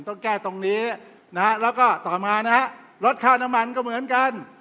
ต้องแก้ตรงนี้นะฮะแล้วก็ต่อมานะฮะลดค่าน้ำมันก็เหมือนกัน